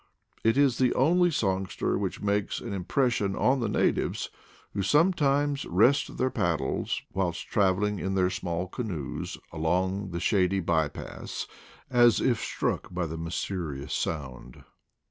... It is the only songster which makes an impression on the natives, who sometimes rest their paddles whilst traveling in their small canoes, along the shady by paths, as if struck by the mysterious sound.